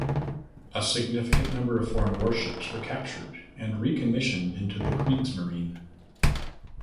A significant number of foreign warships were captured and recommissioned into the "Kriegsmarine".